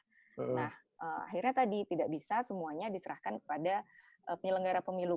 nah akhirnya tadi tidak bisa semuanya diserahkan kepada penyelenggara pemilu